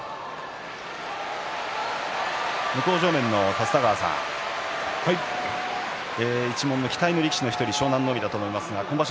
向正面の立田川さん一門の期待の力士の１人湘南乃海だと思いますが今場所